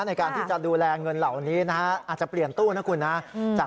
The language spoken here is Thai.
ในการที่จะดูแลเงินเหล่านี้นะฮะอาจจะเปลี่ยนตู้นะคุณนะ